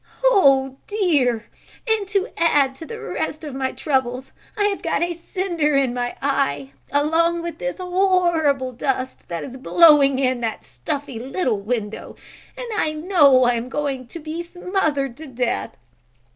Oh, dear! and to add to the rest of my troubles I have got a cinder in my eye, along with this horrible dust that is blowing in that stuffy little window and I know I am going to be smothered to death.